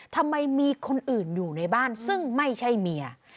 ทำไมมีคนอื่นอยู่ในบ้านซึ่งไม่ใช่เมีย